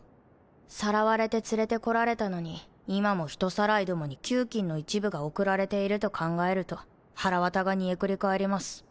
さらわれて連れてこられたのに今も人さらいどもに給金の一部が送られていると考えるとはらわたが煮えくり返ります。